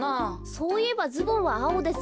そういえばズボンはあおですよ。